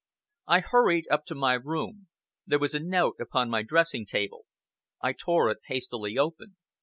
I hurried up to my room. There was a note upon my dressing table. I tore it hastily open.